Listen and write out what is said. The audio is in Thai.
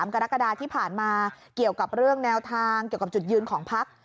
กรกฎาที่ผ่านมาเกี่ยวกับเรื่องแนวทางเกี่ยวกับจุดยืนของพัก